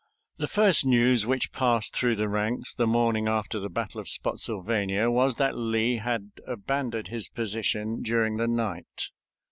The first news which passed through the ranks the morning after the battle of Spottsylvania was that Lee had abandoned his position during the night.